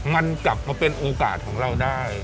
มันกลับมาเป็นโอกาสของเราได้